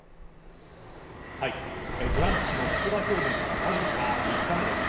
トランプ氏の出馬表明から僅か３日目です。